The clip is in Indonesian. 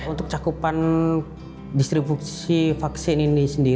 untuk cakupan distribusi vaksin ini sendiri